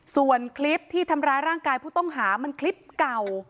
ส่วนคลิปที่ทำร้ายร่างกายผู้ต้องหามันคลิปเก่า